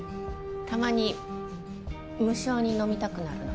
たまに無性に飲みたくなるの。